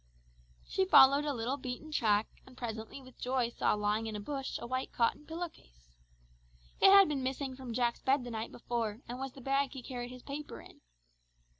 She followed a little beaten track; and presently with joy saw lying in a bush a white cotton pillow case. It had been missing from Jack's bed the night before and was the bag he carried his paper in.